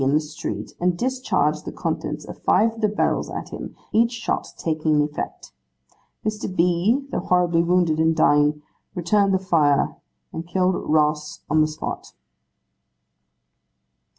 in the street, and discharged the contents of five of the barrels at him: each shot taking effect. Mr. B., though horribly wounded, and dying, returned the fire, and killed Ross on the spot.